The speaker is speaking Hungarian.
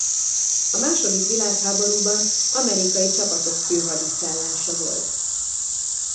A második világháborúban amerikai csapatok főhadiszállása volt.